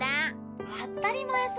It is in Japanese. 当ったり前さ。